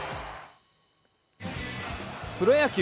プロ野球。